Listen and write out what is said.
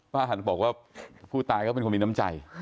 หันบอกว่าผู้ตายเขาเป็นคนมีน้ำใจ